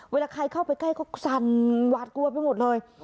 เวลาใครเข้าไปใกล้ก็สั่นหวาดกลัวไปหมดเลย